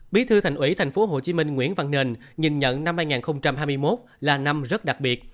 bí thư thành ủy thành phố hồ chí minh nguyễn văn nền nhìn nhận năm hai nghìn hai mươi một là năm rất đặc biệt